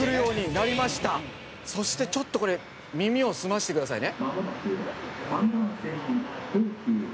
「そしてちょっとこれ耳を澄ませてくださいね」